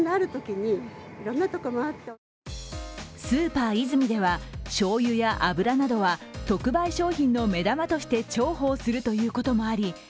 スーパーイズミでは、しょうゆや油などは特売商品の目玉として重宝するということもあり